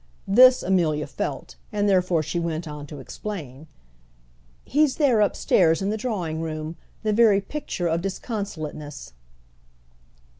This Amelia felt, and therefore she went on to explain. "He's there upstairs in the drawing room, the very picture of disconsolateness."